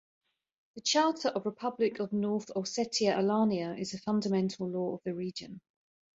The Charter of Republic of North Ossetia-Alania is the fundamental law of the region.